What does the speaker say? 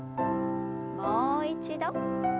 もう一度。